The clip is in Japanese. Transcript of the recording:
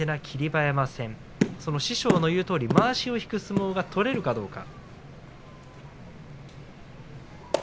馬山戦その師匠の言うとおりまわしを引く相撲が取れるかどうか。